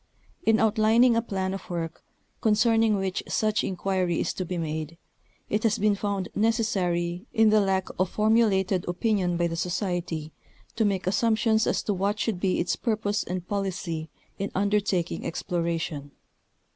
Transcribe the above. In outlining a plan of work, concerning which such inquiry is to be made, it has been found necessary, in the lack of formu lated opinion by the Society, to make assumptions as to what should be its purpose and policy in undertaking exploration.